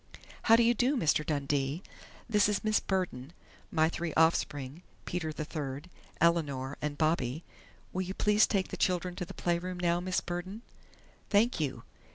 "How do you do, Mr. Dundee?... This is Miss Burden.... My three offspring Peter the third, Eleanor, and Bobby.... Will you please take the children to the playroom now, Miss Burden?... Thank you!...